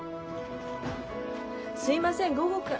すいません午後から。